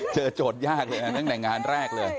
โจทย์ยากเลยนะตั้งแต่งานแรกเลย